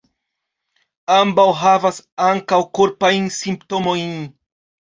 Ambaŭ havas ankaŭ korpajn simptomojn.